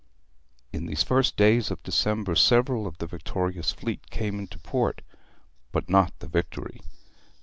In these first days of December several of the victorious fleet came into port; but not the Victory.